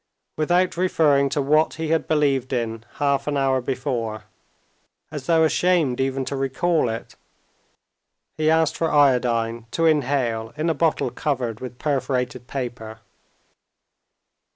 Without referring to what he had believed in half an hour before, as though ashamed even to recall it, he asked for iodine to inhale in a bottle covered with perforated paper.